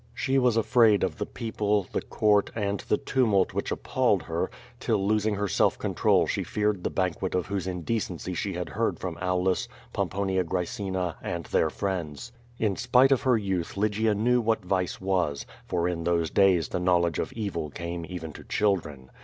She was afraid of the people, the court, and the tumult which ap palled her, till losing her self control she feared the banquet of whose indecency she had heard from Aulus, Pomponia Grae JO QUO VADI8. cina, and their friends. In spite of her youth Lygia knew what vice was, for in those days the knowledge of evil came even to children.